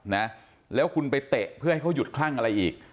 แต่คุณไปเตะเพื่อให้เขาหยุดค่างอะไรอีก